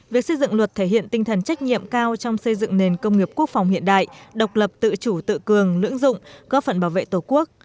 việc xây dựng luật thể hiện tinh thần trách nhiệm cao trong xây dựng nền công nghiệp quốc phòng hiện đại độc lập tự chủ tự cường lưỡng dụng góp phần bảo vệ tổ quốc